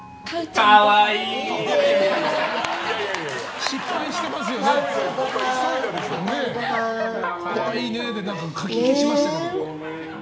可愛いねでかき消しましたけど。